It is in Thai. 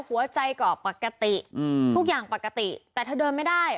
หัวใจก็ปกติทุกอย่างปกติแต่เธอเดินไม่ได้